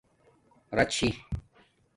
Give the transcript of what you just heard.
راچی